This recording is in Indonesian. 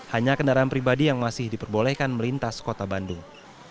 hanya kendaraan pribadi yang masih diperbolehkan melintas kota bandung